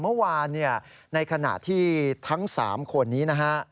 ว่าเมื่อวานในขณะที่ทั้งทั้งสามคนนี้